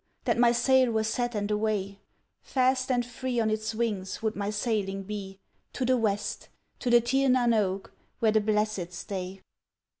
that my sail were set and away Fast and free on its wings would my sailing be To the west: to the Tir Nan Og, where the blessed stay!